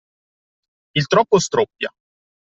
Il troppo stroppia.